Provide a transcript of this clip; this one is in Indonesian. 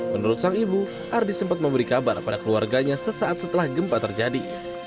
menurut sang ibu ardi sempat memberi kabar pada keluarganya sesaat setelah gempa terjadi